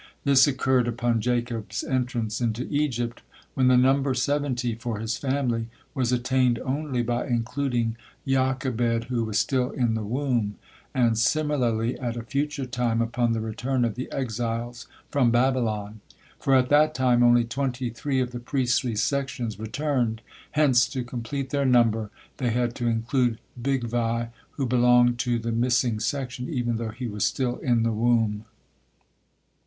This occurred upon Jacob's entrance into Egypt, when the number seventy for his family was attained only by including Jochebed who was still in the womb; and similarly at a future time upon the return of the exiles from Babylon. For at that time only twenty three of the priestly sections returned, hence to complete their number they had to include Bigvai, who belonged to the missing section, even though he was still in the womb.